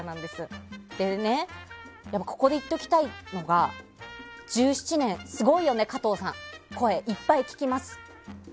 そしてここで言っておきたいのが１７年、すごいよね、加藤さん声、いっぱい聞きます。